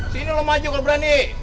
sini lo maju kalau berani